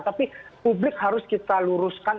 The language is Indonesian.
tapi publik harus kita luruskan